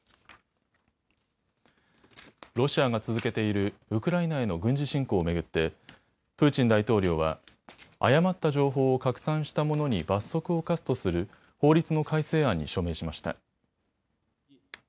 ロシアが続けているウクライナへの軍事侵攻を巡ってプーチン大統領は誤った情報を拡散した者に罰則を科すとする法律の改正案に署名しました。